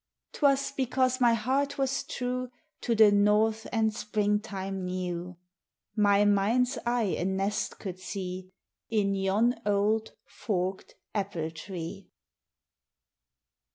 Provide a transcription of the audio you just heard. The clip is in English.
'Twas because my heart was true To the North and spring time new; My mind's eye a nest could see In yon old, forked apple tree!"